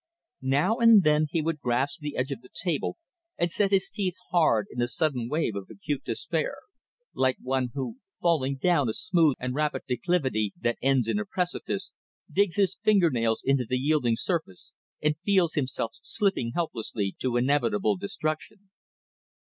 Now and then he would grasp the edge of the table and set his teeth hard in a sudden wave of acute despair, like one who, falling down a smooth and rapid declivity that ends in a precipice, digs his finger nails into the yielding surface and feels himself slipping helplessly to inevitable destruction.